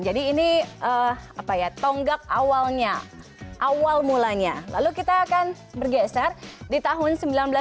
jadi ini tonggak awalnya awal mulanya lalu kita akan bergeser di tahun seribu sembilan ratus tujuh puluh delapan